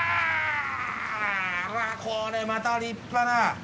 これまた立派な。